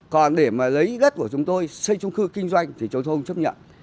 còn để mà lấy đất của chúng tôi xây chung cư kinh doanh thì chúng tôi không chấp nhận